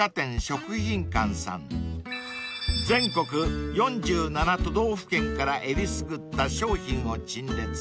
［全国４７都道府県からえりすぐった商品を陳列］